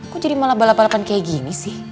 kok jadi malah balap balapan kayak gini sih